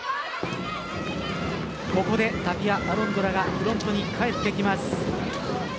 ここでタピア・アロンドラがフロントに帰ってきます。